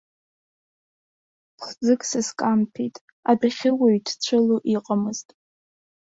Ԥхӡык сызкамҭәеит, адәахьы уаҩ дцәыло иҟамызт.